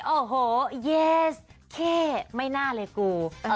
โอ้โหเยสเข้ไม่น่าเลยกู